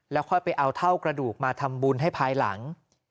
ค่อยไปเอาเท่ากระดูกมาทำบุญให้ภายหลัง